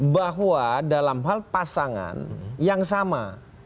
bahwa dalam hal pasangan yang sama